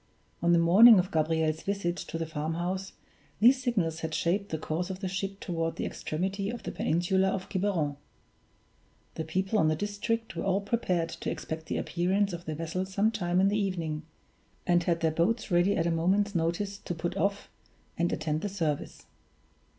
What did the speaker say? On the morning of Gabriel's visit to the farmhouse these signals had shaped the course of the ship toward the extremity of the peninsula of Quiberon. The people of the district were all prepared to expect the appearance of the vessel some time in the evening, and had their boats ready at a moment's notice to put off, and attend the service.